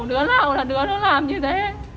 đứa nào là đứa nó làm như thế